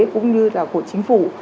cũng như là của chính phủ